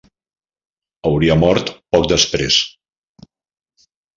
Hauria mort poc després.